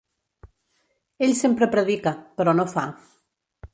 Ell sempre predica, però no fa.